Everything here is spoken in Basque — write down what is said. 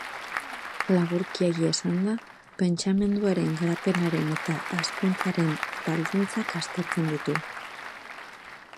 Laburkiago esanda, pentsamenduaren garapenaren eta hazkuntzaren baldintzak aztertzen ditu.